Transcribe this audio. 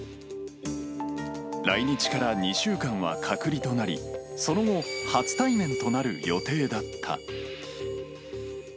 来日から２週間は隔離となり、その後、初対面となる予定だった。